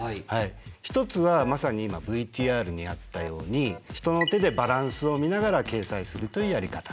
一つはまさに今ＶＴＲにあったように人の手でバランスを見ながら掲載するというやり方。